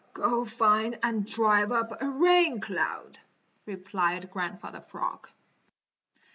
"Go find and drive up a rain cloud," replied Grandfather Frog.